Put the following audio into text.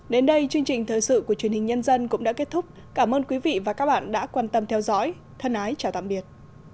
đến đây chương trình thời sự của truyền hình nhân dân cũng đã kết thúc cảm ơn quý vị và các bạn đã quan tâm theo dõi thân ái chào tạm biệt